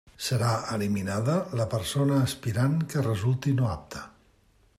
Serà eliminada la persona aspirant que resulti no apta.